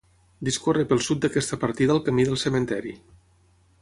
Discorre pel sud d'aquesta partida el Camí del Cementiri.